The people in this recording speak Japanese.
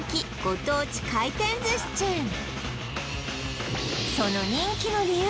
ご当地回転寿司チェーン